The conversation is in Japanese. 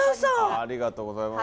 ありがとうございます。